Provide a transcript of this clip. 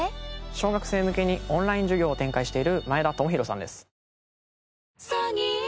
小学生向けにオンライン授業を展開している前田智大さんです。